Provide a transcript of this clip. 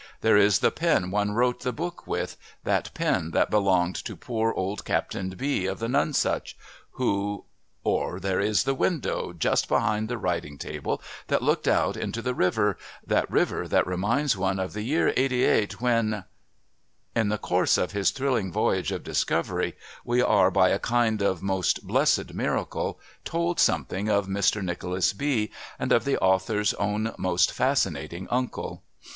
There is the pen one wrote the book with, that pen that belonged to poor old Captain B of the Nonsuch who ... or there is the window just behind the writing table that looked out into the river, that river that reminds one of the year '88 when ... In the course of his thrilling voyage of discovery we are, by a kind of most blessed miracle, told something of Mr Nicholas B. and of the author's own most fascinating uncle.